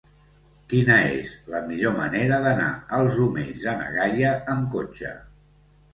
Quina és la millor manera d'anar als Omells de na Gaia amb cotxe?